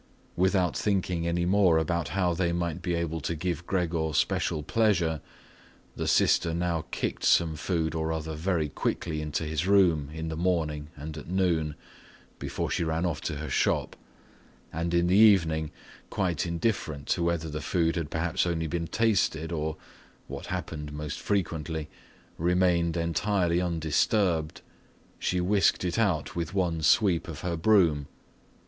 Without thinking any more about how they might be able to give Gregor special pleasure, the sister now kicked some food or other very quickly into his room in the morning and at noon, before she ran off to her shop, and in the evening, quite indifferent to whether the food had perhaps only been tasted or, what happened most frequently, remained entirely undisturbed, she whisked it out with one sweep of her broom.